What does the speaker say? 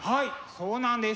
そうなんです。